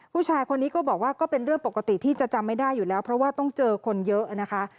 ผู้ชายคนนี้ก็บอกว่าก็เป็นเรื่องปกติที่จะจำไม่ได้อยู่แล้วเพราะว่าต้องเจอคนเยอะนะคะ